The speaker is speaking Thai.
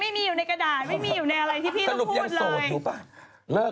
ไม่มีอยู่ในอะไรที่พี่ต้องพูดเลย